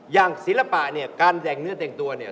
ศิลปะเนี่ยการแต่งเนื้อแต่งตัวเนี่ย